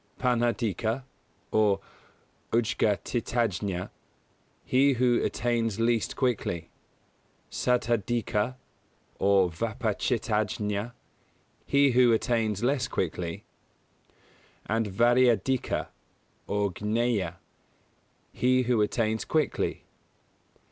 Pannādhika, or Udghatitajña "he who attains least quickly"; Saddhādhika, or Vipachitajña "he who attains less quickly"; and Viryādhika, or Gneyya "he who attains quickly".